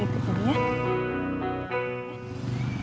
lihat itu neng